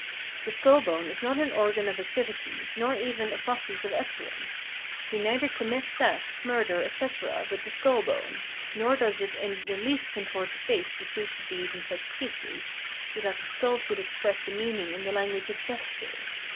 The skull bone is not an organ of activity, nor even a process of utterance. We neither commit theft, murder, etc., with the skull bone, nor does it ia the least contort the face to suit the deed in such cases, so that the skull should express the meaning in the lan guage of gesture.